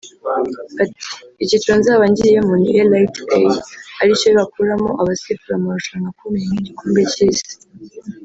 Ati “Icyiciro nzaba ngiyemo ni Elite A ari cyo bakuramo abasifura amarushanwa akomeye nk’Igikombe cy’Isi